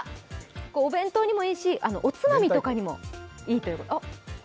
お弁当にもいいしおつまみとかにもいいと。